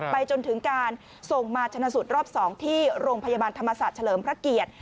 จนถึงการส่งมาชนะสูตรรอบ๒ที่โรงพยาบาลธรรมศาสตร์เฉลิมพระเกียรติ